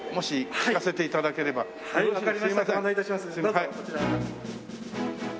はい。